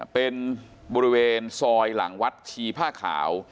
เป็นบริเวณซอยหลังวัดชีผ้าขาว